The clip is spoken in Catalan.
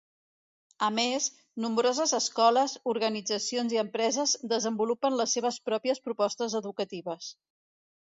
A més, nombroses escoles, organitzacions i empreses desenvolupen les seves pròpies propostes educatives.